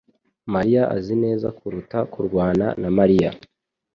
mariya azi neza kuruta kurwana na Mariya